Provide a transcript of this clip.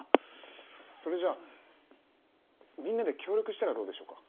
それじゃみんなで協力したらどうでしょうか？